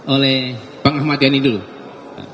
oleh pak ahmad yani dulu